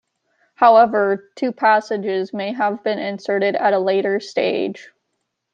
However, two passages may have been inserted at a later stage.